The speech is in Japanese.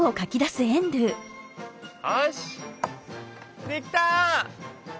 よしできた！